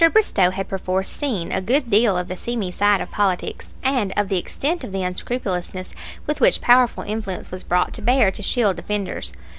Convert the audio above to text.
Bristow had perforce seen a good deal of the seamy side of politics, and of the extent of the unscrupulousness with which powerful influence was brought to bear to shield offenders.